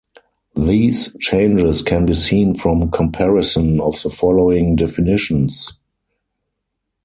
These changes can be seen from comparison of the following definitions.